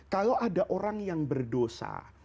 kalau ada orang yang berdosa